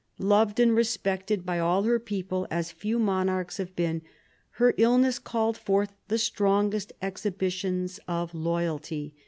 Loved and respected by all her people as few monarchs have been, her illness called forth the strongest exhibitions of loyalty.